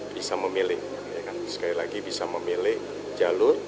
bisa memilih sekali lagi bisa memilih jalur